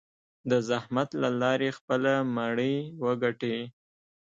د زحمت له لارې خپله مړۍ وګټي.